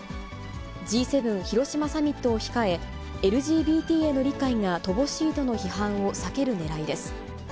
Ｇ７広島サミットを控え、ＬＧＢＴへの理解が乏しいとの批判を避けるねらいです。